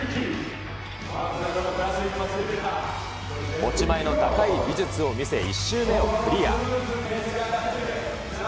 持ち前の高い技術を見せ、１周目をクリア。